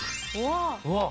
うわっ。